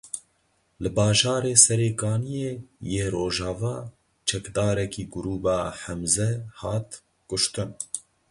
Li bajarê Serê Kaniyê yê Rojava çekdarekî grûpa Hemze hat kuştin.